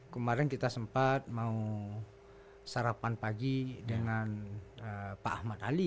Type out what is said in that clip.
kemarin kita sempat mau sarapan pagi dengan pak ahmad ali